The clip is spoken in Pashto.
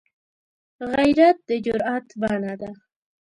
غیرت د جرئت بڼه ده